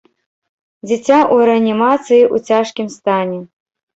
Дзіця ў рэанімацыі ў цяжкім стане.